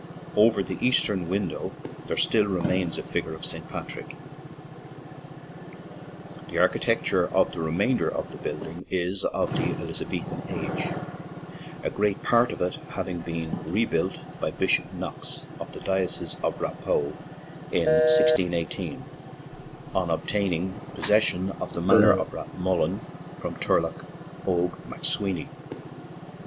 Over the eastern window there still remains a figure of St. Patrick. The architecture of the 10 LONDONDERRY TO PORT SALON remainder of the building is of the Eliza bethan age, a great part of it having been rebuilt by Bishop Knox, of the diocese of Raphoe, in 1618, on obtaining possession of the manor of Rathmullen from Turlogh Oge McSweeny.